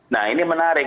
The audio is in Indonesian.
nah ini menarik